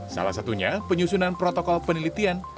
salah satunya penyusunan protokol penelitian